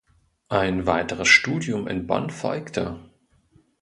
Ein weiteres Studium in Bonn folgte.